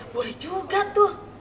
boleh juga tuh